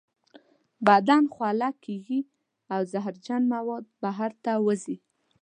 بدن خوله کیږي او زهرجن مواد بهر ته وځي.